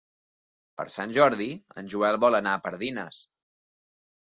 Per Sant Jordi en Joel vol anar a Pardines.